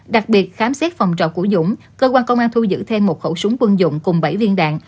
đặc biệt khám xét phòng trọ của dũng cơ quan công an thu giữ thêm một khẩu súng quân dụng cùng bảy viên đạn